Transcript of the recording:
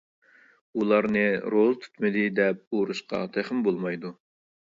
ئۇلارنى روزا تۇتمىدى دەپ ئورۇشقا تېخىمۇ بولمايدۇ.